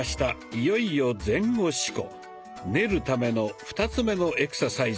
いよいよ「練る」ための２つ目のエクササイズです。